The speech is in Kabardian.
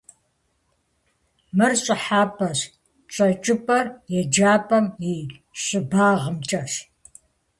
Мыр щӏыхьэпӏэщ, щӏэкӏыпӏэр еджапӏэм и щӏыбагъымкӏэщ.